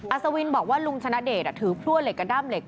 อัศวินทร์บอกว่าลุงชนะเดชน์ถือพลั่งเหล็กกระด้ำเหล็ก